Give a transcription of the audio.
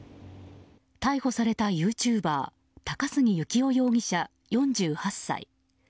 逮捕されたユーチューバー高杉幸男容疑者、４８歳。